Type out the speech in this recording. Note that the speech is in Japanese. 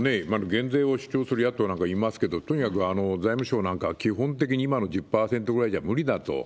減税を主張する野党なんかいますけれども、とにかく財務省なんかは基本的に今の１０％ぐらいじゃ無理だと。